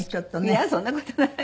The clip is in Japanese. いやそんな事ない。